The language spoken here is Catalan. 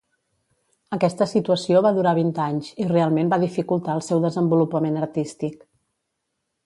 Aquesta situació va durar vint anys i realment va dificultar el seu desenvolupament artístic.